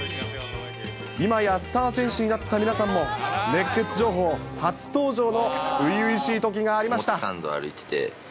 今やスター選手になった皆さんも、熱ケツ情報初登場の初々しいときがありました。